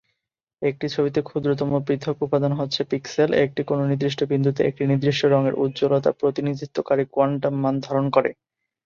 একটি ছবিতে ক্ষুদ্রতম পৃথক উপাদান হচ্ছে পিক্সেল, এইটি কোনো নির্দিষ্ট বিন্দুতে একটি নির্দিষ্ট রঙের উজ্জ্বলতা প্রতিনিধিত্বকারী কোয়ান্টাম মান ধারণ করে।